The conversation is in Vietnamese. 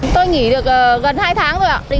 tôi nghỉ được gần hai tháng rồi ạ